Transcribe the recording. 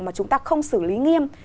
mà chúng ta không xử lý nghiêm